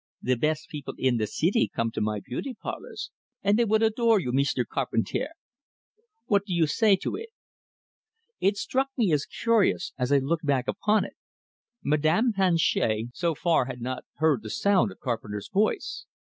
The best people in the ceety come to my beauty parlors, and they would adore you, Meester Carpentair what do you say to eet?" It struck me as curious, as I looked back upon it; Madame Planchet so far had not heard the sound of Carpenter's voice.